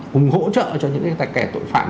cùng hỗ trợ cho những cái kẻ tội phạm